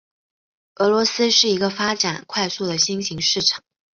俄罗斯是一个发展快速的新型市场。